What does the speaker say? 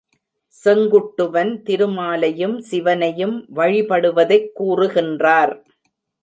செங்குட்டுவன் திருமாலையும், சிவனையும் வழிபடுவதைக் கூறுகின்றார்.